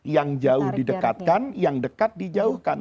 yang jauh didekatkan yang dekat dijauhkan